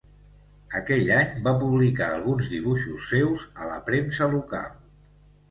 Aquell any va publicar alguns dibuixos seus a la premsa local.